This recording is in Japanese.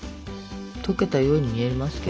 溶けたように見えますけど。